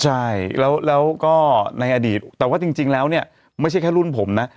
ใช่แล้วก็ในอดีตแต่ว่าจริงแล้วเนี่ยไม่ใช่แค่รุ่นผมนะ